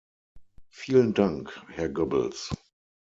Vielen Dank, Herr Goebbels.